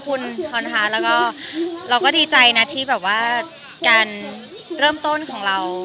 ก็จริงแล้วก็ขอบคุณค่ะแล้วก็เราก็ดีใจนะที่แบบว่าการเริ่มต้นของเรา